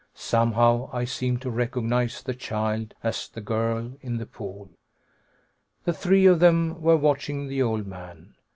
Somehow I seemed to recognize the child as the girl in the pool. The three of them were watching the old man.